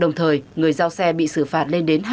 đồng thời người giao xe bị xử phạt lên đến trường